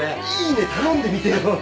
頼んでみてよ。